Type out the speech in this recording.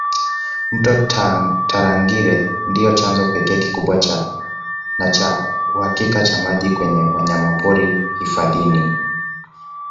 Mto Tarangire ndio chanzo pekee kikubwa na cha uhakika cha maji kwa wanyamapori hifadhini